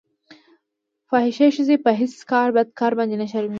فاحشې ښځې په هېڅ بد کار باندې نه شرمېږي.